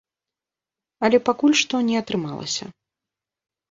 Але пакуль што не атрымалася.